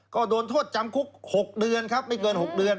ก็โดนโทษจำคุก๖เดือนครับไม่เกิน๖เดือน